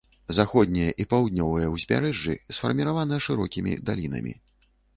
Заходняе і паўднёвае ўзбярэжжы сфармавана шырокімі далінамі.